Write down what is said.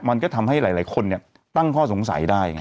มันก็ทำให้หลายคนตั้งข้อสงสัยได้ไง